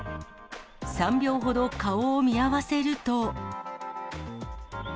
３秒ほど顔を見合わせると。